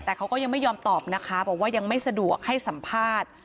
แต่เขาก็ยังไม่ยอมตอบนะคะบอกว่ายังไม่สะดวกให้สัมภาษณ์